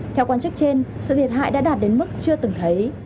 theo quan chức trên sự thiệt hại đã đạt đến mức chưa từng thấy